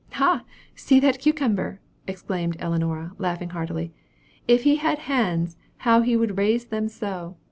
"Ha! see that cucumber?" exclaimed Ellinora, laughing heartily. "If he had hands, how he would raise them so!